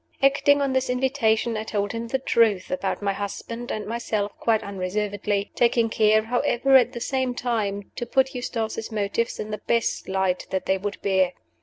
Acting on this invitation, I told him the truth about my husband and myself quite unreservedly, taking care, however, at the same time, to put Eustace's motives in the best light that they would bear.